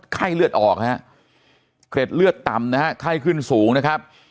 ไข้เลือดออกฮะเกร็ดเลือดต่ำนะฮะไข้ขึ้นสูงนะครับ